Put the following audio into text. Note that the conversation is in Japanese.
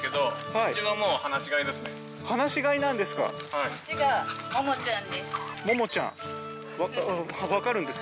こっちがモモちゃんです。